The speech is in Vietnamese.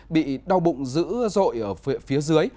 bị đau bụng dữ dội ở phía dưới